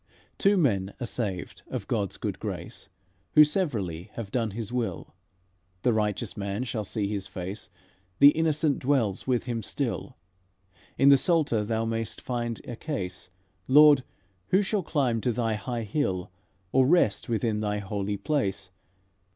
"Two men are saved of God's good grace, Who severally have done His will: The righteous man shall see His face, The innocent dwells with Him still. In the Psalter thou may'st find a case: 'Lord, who shall climb to Thy high hill, Or rest within Thy Holy Place?'